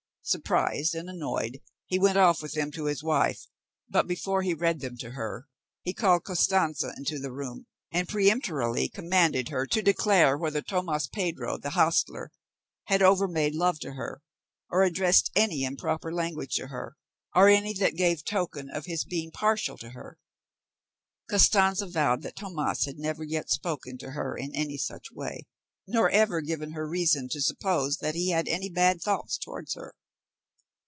Surprised and annoyed, he went off with them to his wife, but before he read them to her, he called Costanza into the room, and peremptorily commanded her to declare whether Tomas Pedro, the hostler, had over made love to her, or addressed any improper language to her, or any that gave token of his being partial to her. Costanza vowed that Tomas had never yet spoken to her in any such way, nor ever given her reason to suppose that he had any bad thoughts towards her.